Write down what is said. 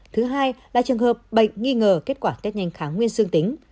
thứ hai là trường hợp bệnh nghi ngờ kết quả tết nhanh kháng nguyên dương tính